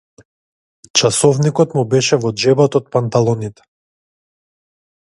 Часовникот му беше во џебот од панталоните.